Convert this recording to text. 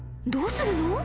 どうするの？］